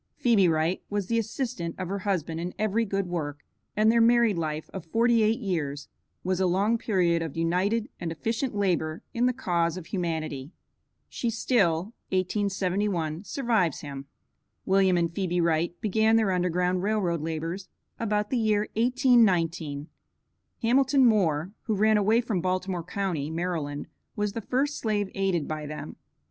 Phebe Wright was the assistant of her husband in every good work, and their married life of forty eight years was a long period of united and efficient labor in the cause of humanity. She still (1871) survives him. William and Phebe Wright began their Underground Rail Road labors about the year 1819. Hamilton Moore, who ran away from Baltimore county, Maryland, was the first slave aided by them.